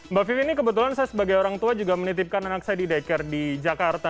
mbak vivi ini kebetulan saya sebagai orang tua juga menitipkan anak saya di daycare di jakarta